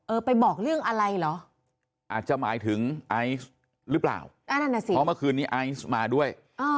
ไปบอกเรื่องอะไรเหรออาจจะหมายถึงไอซ์หรือเปล่าเพราะเมื่อคืนนี้ไอซ์มาด้วย